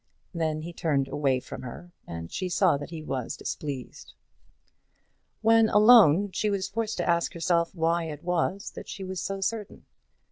Then he turned away from her, and she saw that he was displeased. When alone, she was forced to ask herself why it was that she was so certain.